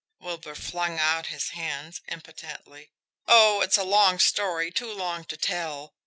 Wilbur flung out his hands impotently. "Oh, it's a long story too long to tell.